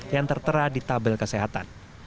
yang tertera di tabel kesehatan